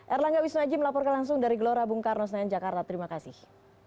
erlangga wisnuajim laporkan langsung dari gelora bung karno senen jakarta terima kasih